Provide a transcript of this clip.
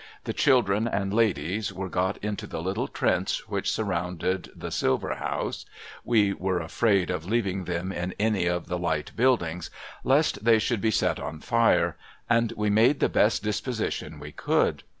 The children and ladies were got into the little trench which surrounded, THE SIGNAL 163 the silver house (we were afraid of leaving them in any of the light buildings, lest they should be set on fire), and Ave made the best disposition we could.